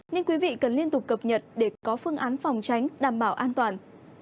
nên quý vị cần liên tục cập nhật để có phương án phòng tránh đảm bảo an toàn